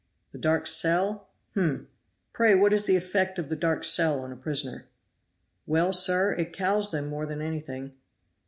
"The dark cell? hum! Pray what is the effect of the dark cell on a prisoner?" "Well, sir, it cows them more than anything."